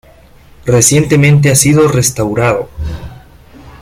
Recientemente ha sido restaurado.